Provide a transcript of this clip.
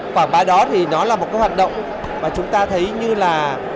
quảng bá đó thì nó là một cái hoạt động mà chúng ta thấy như là